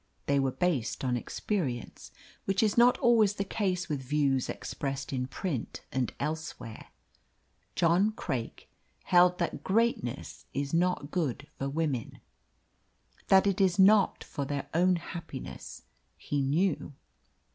They were based on experience, which is not always the case with views expressed in print and elsewhere. John Craik held that greatness is not good for women. That it is not for their own happiness, he knew.